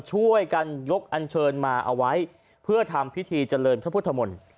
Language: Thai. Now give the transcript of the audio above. ช่วยกันยกอันเชิญมาเอาไว้เพื่อทำพิธีเจริญพระพุทธมนตร์